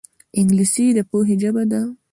انګلیسي د پوهې ژبه ده